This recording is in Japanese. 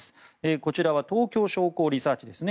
こちらは東京商工リサーチですね。